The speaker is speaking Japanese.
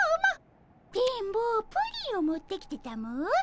「電ボプリンを持ってきてたも」